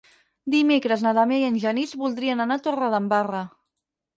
Dimecres na Damià i en Genís voldrien anar a Torredembarra.